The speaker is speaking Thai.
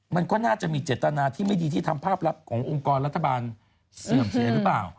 มันก็น่าจะมีเจตนาที่ไม่ดีที่ทำภาพลับขององค์กรรัฐบาลเสื่อมเสียหรือเปล่า